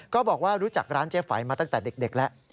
ก็บอกว่ารู้จักร้านเจ๊ไฝมาตั้งแต่เด็กแล้ว